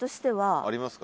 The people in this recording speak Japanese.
ありますか？